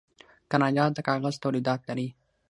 کاناډا د کاغذ تولیدات لري.